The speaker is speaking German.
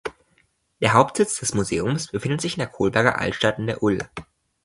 Der Hauptsitz des Museums befindet sich in der Kolberger Altstadt in der ul.